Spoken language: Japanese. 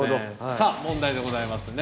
さあ問題でございますね。